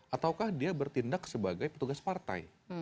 ataukah dia bertindak sebagai petugas partai